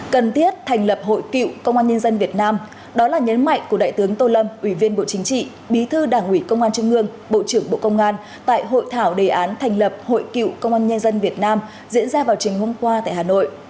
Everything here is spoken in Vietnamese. cần thiết thành lập hội cựu công an nhân dân việt nam đó là nhấn mạnh của đại tướng tô lâm ủy viên bộ chính trị bí thư đảng ủy công an trung ương bộ trưởng bộ công an tại hội thảo đề án thành lập hội cựu công an nhân dân việt nam diễn ra vào trình hôm qua tại hà nội